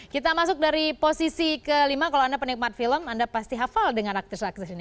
kita masuk dari posisi kelima kalau anda penikmat film anda pasti hafal dengan aktris aktris ini